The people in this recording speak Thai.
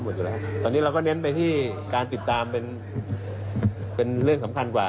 อยู่แล้วตอนนี้เราก็เน้นไปที่การติดตามเป็นเรื่องสำคัญกว่า